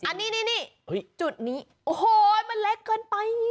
อันนี้จุดนี้โอ้โหมันเล็กเกินไป